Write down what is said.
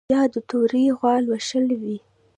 یا د تورې غوا لوشل وي